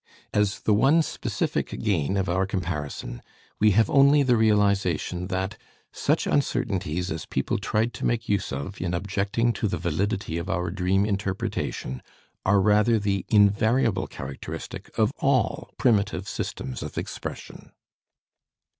As the one specific gain of our comparison, we have only the realization that such uncertainties as people tried to make use of in objecting to the validity of our dream interpretation, are rather the invariable characteristic of all primitive systems of expression.